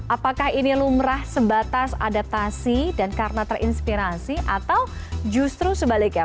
apakah ini lumrah sebatas adaptasi dan karena terinspirasi atau justru sebaliknya